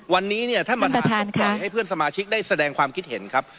วันนี้เนี่ยท่านประธานอยากให้เพื่อนสมาชิกได้แสดงความคิดเห็นครับ